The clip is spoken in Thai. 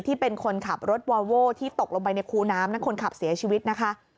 เป็นคนขับรถวอลโว้ที่ตกลงไปในคูน้ำและคนขับเสียชีวิตนะคะ